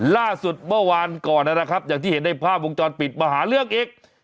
ล่าสุดเมื่อวานก่อนนะครับอย่างที่เห็นในภาพวงจรปิดมาหาเรื่องอีก